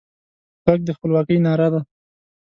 غږ د خپلواکۍ ناره ده